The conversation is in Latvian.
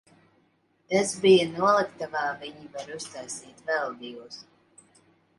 Tas bija noliktavā, viņi var uztaisīt vēl divus.